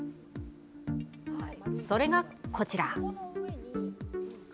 それがこちら。